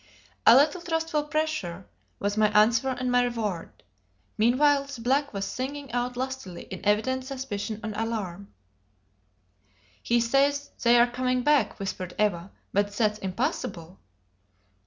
A little trustful pressure was my answer and my reward; meanwhile the black was singing out lustily in evident suspicion and alarm. "He says they are coming back," whispered Eva; "but that's impossible."